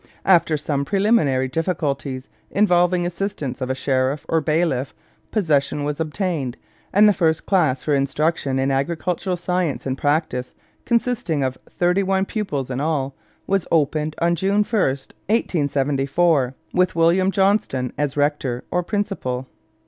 After some preliminary difficulties, involving the assistance of a sheriff or bailiff, possession was obtained, and the first class for instruction in agricultural science and practice, consisting of thirty one pupils in all, was opened on June 1, 1874, with William Johnston as rector or principal.